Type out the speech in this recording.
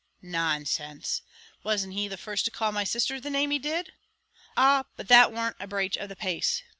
"Nonsense! wasn't he the first to call my sisther the name he did?" "Ah! but that warn't a braich of the pace.